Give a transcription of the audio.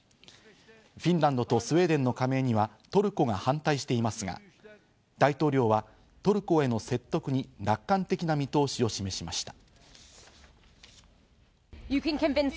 フィンランドとスウェーデンの加盟にはトルコが反対していますが、大統領はトルコへの説得に楽観的な見通しを示しました。